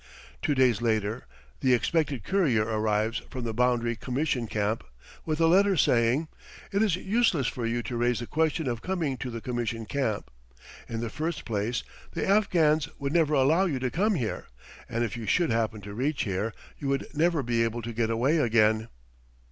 Two days later the expected courier arrives from the Boundary Commission Camp with a letter saying: "It is useless for you to raise the question of coming to the Commission Camp. In the first place, the Afghans would never allow you to come here; and if you should happen to reach here, you would never be able to get away again."